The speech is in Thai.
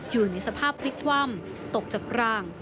อยู่ในสภาพพลิกคว่ำตกจากราง